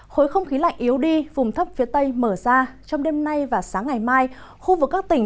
khối không khí lạnh yếu đi vùng thấp phía tây mở ra trong đêm nay và sáng ngày mai khu vực các tỉnh